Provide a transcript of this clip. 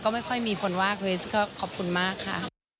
ไม่ค่อยมีคนว่าคริสก็ขอบคุณมากค่ะ